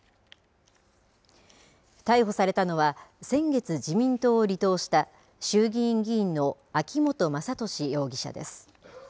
逮捕されたのは先月、自民党を離党した衆議院議員の秋本真利容疑者です。